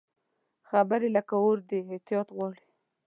خبرې لکه اور دي، احتیاط غواړي